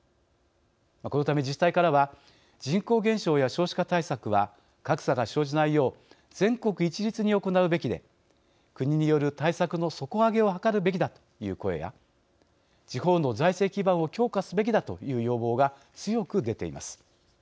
このため、自治体からは人口減少や少子化対策は格差が生じないよう全国一律に行うべきで国による対策の底上げを図るべきだという声や地方の財政基盤を強化すべきだという要望が強く出ています。